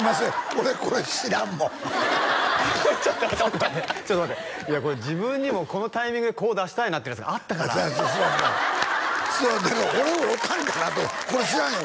俺これ知らんもんちょっと待ってちょっと待っていやこれ自分にもこのタイミングでこう出したいなっていうやつがあったからすまんすまん俺会うたんかなとこれ知らんよ